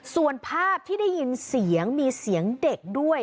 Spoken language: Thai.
ส่วนภาพที่ได้ยินเสียงมีเสียงเด็กด้วย